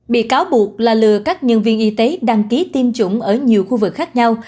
bị cáo buộc là lừa các nhân viên y tế đăng ký tiêm chủng ở nhiều khu vực khác nhau